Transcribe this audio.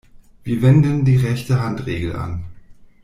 Wir wenden die Rechte-Hand-Regel an.